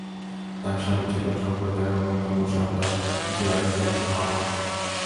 তার স্বামী ছিল সম্প্রদায়ের অন্যতম সর্দার যুওয়াব ইবন আমর।